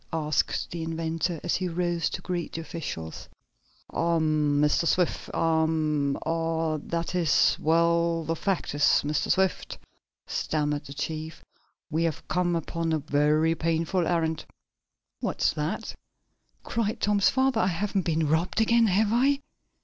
asked the inventor, as he rose to greet the officials. "Ahem, Mr. Swift. Ahem er that is well, the fact is, Mr. Swift," stammered the chief, "we have come upon a very painful errand." "What's that?" cried Tom's father. "I haven't been robbed again, have I?'